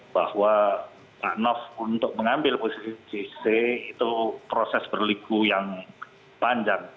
bahwa pak nof untuk mengambil posisi jc itu proses berliku yang panjang